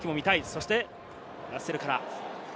そしてラッセルから。